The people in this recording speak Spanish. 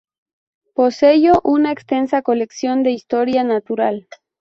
Poseyó una extensa colección de historia natural.